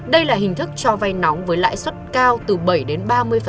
đây là hình thức cho vay nóng với lãi suất cao từ bảy đến ba mươi